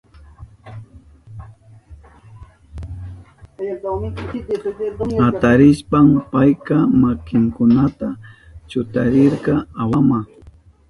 Atarishpan payka makinkunata chutarirka awama.